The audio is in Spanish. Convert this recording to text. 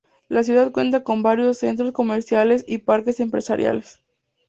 La ciudad cuenta con varios centros comerciales y parques empresariales.